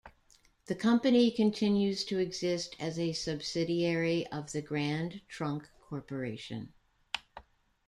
The company continues to exist as a subsidiary of the Grand Trunk Corporation.